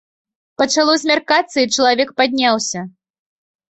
Пачало змяркацца, і чалавек падняўся.